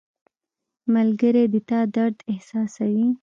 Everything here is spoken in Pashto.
• ملګری د تا درد احساسوي.